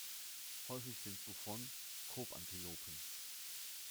Häufig sind Buffon-Kobantilopen.